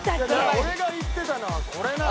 俺が言ってたのはこれなの！